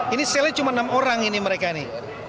ini selnya cuma enam orang ini mereka ini